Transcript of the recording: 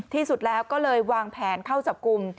ที่สุดแล้วก็เลยวางแผนเข้าจับกลุ่ม